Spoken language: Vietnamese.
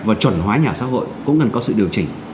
và chuẩn hóa nhà ở xã hội cũng cần có sự điều chỉnh